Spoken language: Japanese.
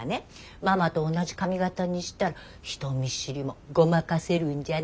ママと同じ髪形にしたら人見知りもごまかせるんじゃないかって。